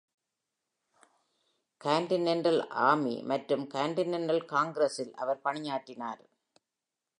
Continental Army மற்றும் Continental காங்கிரஸில் அவர் பணியாற்றினார்.